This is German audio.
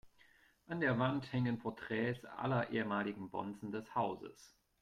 An der Wand hängen Porträts aller ehemaligen Bonzen des Hauses.